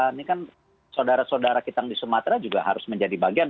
ini kan saudara saudara kita yang di sumatera juga harus menjadi bagian